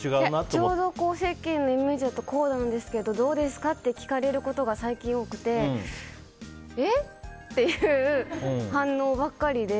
ちょうど世間のイメージだとこうなんですけどどうですかと聞かれることが最近多くてえっ？という反応ばかりで。